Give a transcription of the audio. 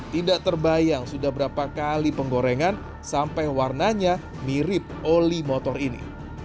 tidak terbayang sudah berapa kali penggorengan sampai warnanya mirip oli motor ini